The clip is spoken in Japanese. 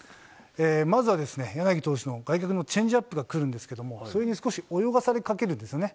まずは柳投手の外角のチェンジアップが来るんですけども、それに少し泳がされかけるんですよね。